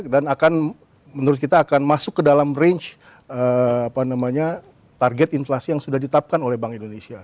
dan akan menurut kita akan masuk ke dalam range target inflasi yang sudah ditapkan oleh bank indonesia